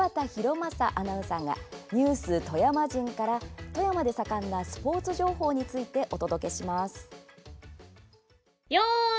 正アナウンサーが「ＮＥＷＳ富山人」から富山で盛んなスポーツ情報についてお届けします。